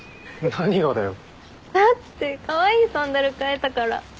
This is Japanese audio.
だってカワイイサンダル買えたから。